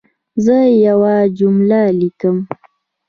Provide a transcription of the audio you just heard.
زه یوه جمله لیکم.